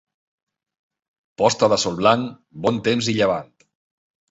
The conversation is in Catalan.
Posta de sol blanc, bon temps i llevant.